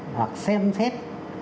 hoặc xem xét